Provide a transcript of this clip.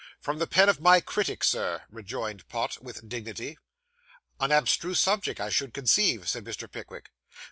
'From the pen of my critic, Sir,' rejoined Pott, with dignity. 'An abstruse subject, I should conceive,' said Mr. Pickwick.